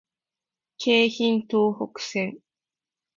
京浜東北線